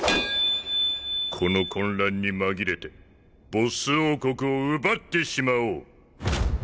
この混乱に紛れてボッス王国を奪ってしまおう。